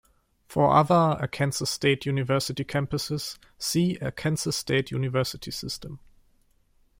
For other Arkansas State University campuses, see Arkansas State University System.